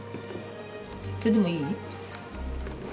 それでもいい？